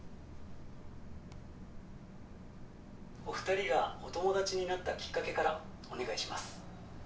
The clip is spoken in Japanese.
お二人がお友達になったきっかけからお願いします